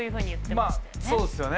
まあそうですよね。